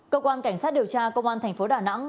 cơ quan cảnh sát điều tra công an thành phố đà nẵng